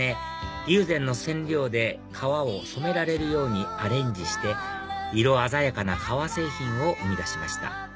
友禅の染料で革を染められるようにアレンジして色鮮やかな革製品を生み出しました